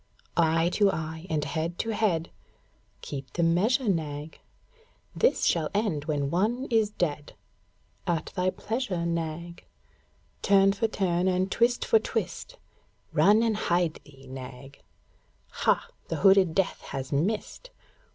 Eye to eye and head to head, (Keep the measure, Nag.) This shall end when one is dead; (At thy pleasure, Nag.) Turn for turn and twist for twist (Run and hide thee, Nag.) Hah! The hooded Death has missed!